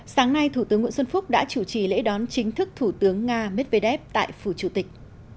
sáng nay thủ tướng nguyễn xuân phúc đã chủ trì lễ đón chính thức thủ tướng nga medvedev tại phủ chủ tịch